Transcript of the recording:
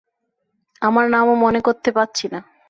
আমার নামও মনে করতে পারছি না।